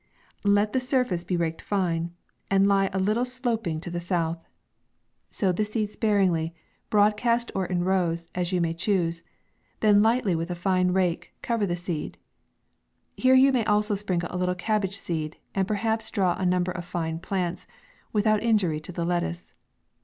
Let the surface be raked fine, and lie a little sloping G 74 MAY. to the south. Sow the seed sparingly, broad cast or in rows, as you may choose ; then lightly, with the fine rake, cover the seed. Here you may also sprinkle a little cabbage seed, and perhaps draw a number of fine plants, without injury to the lettuce.